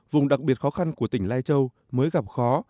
vùng đặc biệt khó khăn của tỉnh lai châu mới gặp khó